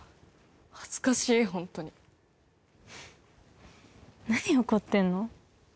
恥ずかしいホントに何怒ってんの？